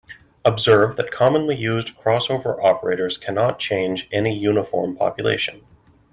Observe that commonly used crossover operators cannot change any uniform population.